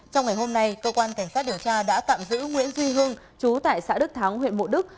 cảnh sát điều tra đã tạm giữ nguyễn duy hưng chú tại xã đức thắng huyện mộ đức